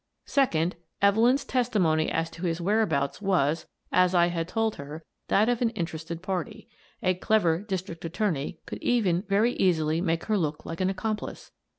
Second, Evelyn's testimony as to his whereabouts was, as I had told her, that of an interested party. A clever district attorney could even very easily make her look like an accomplice!